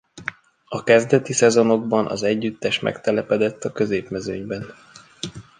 A kezdeti szezonokban az együttes megtelepedett a középmezőnyben.